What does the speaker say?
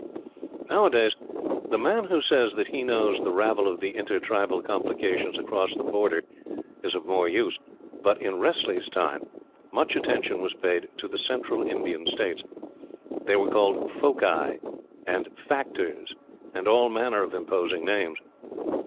Now a days, the man who says that he knows the ravel of the inter tribal complications across the Border is of more use; but in Wressley's time, much attention was paid to the Central Indian States. They were called "foci" and "factors," and all manner of imposing names.